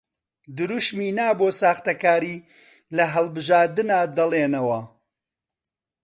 دروشمی نا بۆ ساختەکاری لە هەڵبژاردندا دەڵێنەوە